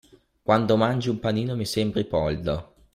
Quando mangi un panino mi sembri Poldo!